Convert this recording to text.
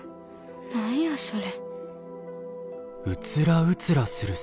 何やそれ。